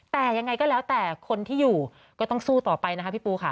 แต่ยังไงก็แล้วแต่คนที่อยู่ก็ต้องสู้ต่อไปนะคะพี่ปูค่ะ